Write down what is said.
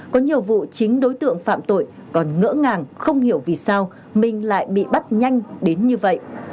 có nhiều vụ chính đối tượng phạm tội còn ngỡ ngàng không hiểu vì sao mình lại bị bắt nhanh đến như vậy